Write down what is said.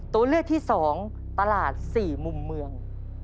ตัวเลือกที่๒ตลาด๔มุมเมือง